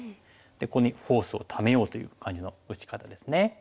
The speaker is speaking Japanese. ここにフォースをためようという感じの打ち方ですね。